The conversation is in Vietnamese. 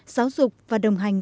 giáo dục và đồng hành